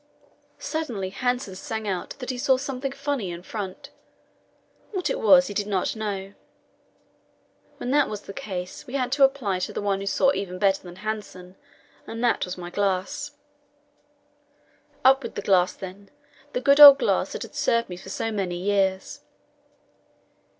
Suddenly Hanssen sang out that he saw something funny in front what it was he did not know. When that was the case, we had to apply to the one who saw even better than Hanssen, and that was my glass. Up with the glass, then the good old glass that has served me for so many years.